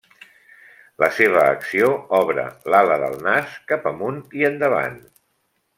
La seva acció obre l'ala del nas cap amunt i endavant.